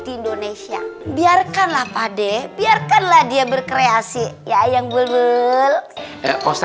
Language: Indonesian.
di indonesia biarkanlah pakde biarkanlah dia berkreasi ya yang bulu bulu bisa geser